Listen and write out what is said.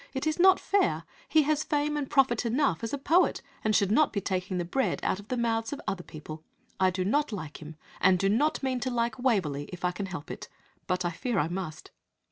It is not fair. He has fame and profit enough as a poet, and should not be taking the bread out of the mouths of other people. I do not like him, and do not mean to like Waverley if I can help it, but I fear I must."